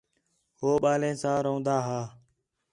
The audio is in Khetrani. ہو ٻالیں سا رَوندا ہا